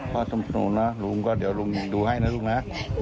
พ่อสนุนนะลูกก็เดี๋ยวลูกดูให้นะลูกนะ